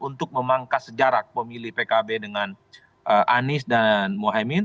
untuk memangkas jarak pemilih pkb dengan anies dan mohaimin